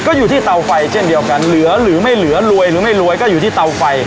ก็อยู่ที่เตาไฟเช่นเดียวกันเหลือหรือไม่เหลือรวยหรือไม่รวยก็อยู่ที่เตาไฟ